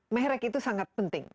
merek itu sangat penting